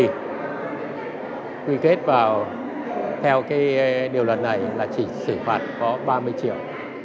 người kết vào theo điều luận này là chỉ xử phạt có ba mươi triệu